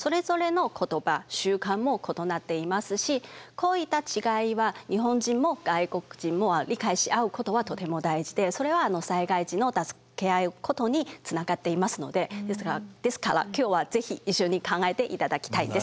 こういった違いは日本人も外国人も理解し合うことはとても大事でそれは災害時の助け合うことにつながっていますのでですから今日は是非一緒に考えていただきたいです。